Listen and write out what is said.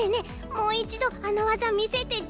もういちどあのわざみせてち！